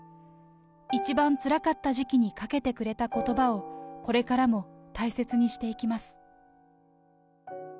一番つらかった時期にかけてくれたことばをこれからも大切にしていきます。